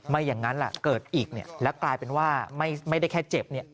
อย่างนั้นเกิดอีกแล้วกลายเป็นว่าไม่ได้แค่เจ็บ